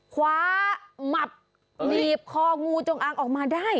ขวามับดีบคองูจงอ้างออกมาได้